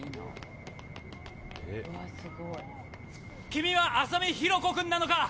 君は浅見弘子君なのか？